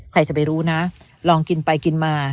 ใครจะไปรู้นะลองกินไปกินมา